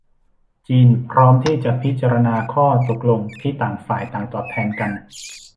จีนพร้อมที่จะพิจารณาข้อตกลงที่ต่างฝ่ายต่างตอบแทนกัน